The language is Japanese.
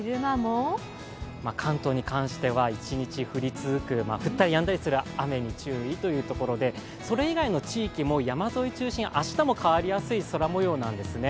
関東に関しては一日降り続く、降ったりやんだりする雨に注意というところで、それ以外の地域も山沿いを中心に明日も変わりやすい空もようなんですね。